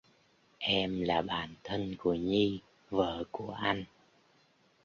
Em là bạn thân của Nhi vợ của anh